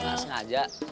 oh gak sengaja